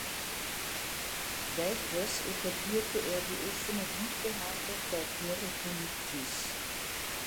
Weiters etablierte er die offene Wundbehandlung bei Peritonitis.